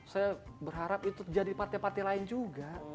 saya berharap itu terjadi di partai partai lain juga